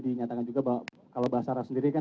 dinyatakan juga bahwa kalau basarnas sendiri kan